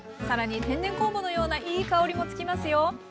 さらに天然酵母のようないい香りもつきますよ。